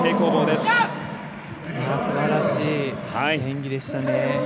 すばらしい演技でしたね。